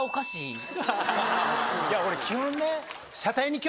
いや俺基本ね。